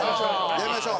やめましょう。